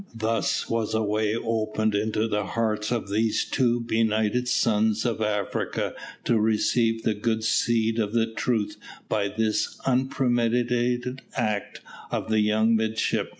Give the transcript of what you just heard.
Thus was a way opened into the hearts of these two benighted sons of Africa to receive the good seed of the truth by this unpremeditated act of the young midshipmen.